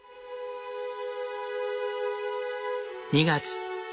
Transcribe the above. ２月。